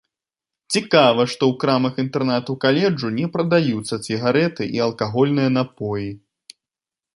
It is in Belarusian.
Цікава, што ў крамах інтэрнатаў каледжу не прадаюцца цыгарэты і алкагольныя напоі.